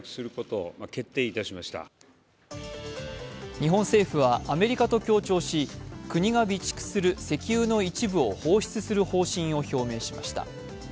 日本政府はアメリカと協調し国が備蓄する石油の一部を放出する方針を表明しました。